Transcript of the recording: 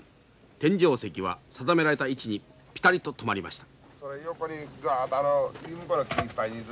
天井石は定められた位置にぴたりと止まりました。